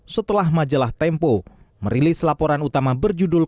setelah majalah tempo merilis laporan utama berjudul